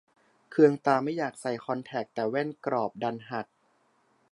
เคืองตาไม่อยากใส่คอนแทค แต่แว่นกรอบดันหัก